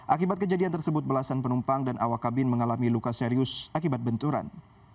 akibat kejadian tersebut belasan penumpang dan awak kabin mengalami luka serius akibat benturan